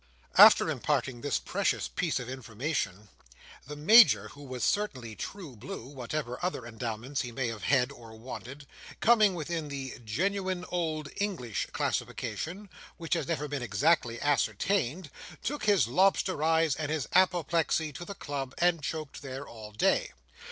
After imparting this precious piece of information, the Major, who was certainly true blue, whatever other endowments he may have had or wanted, coming within the "genuine old English" classification, which has never been exactly ascertained, took his lobster eyes and his apoplexy to the club, and choked there all day.